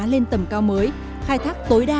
lên tầm cao mới khai thác tối đa